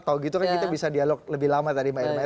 kalau gitu kan kita bisa dialog lebih lama tadi mbak irma ya